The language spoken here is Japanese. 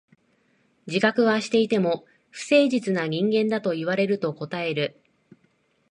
自覚はしていても、不誠実な人間だと言われると応える。